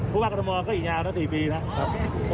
ผมว่ากธมวอีกยาวละ๔ปีนะ